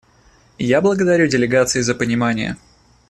Я благодарю делегации за понимание.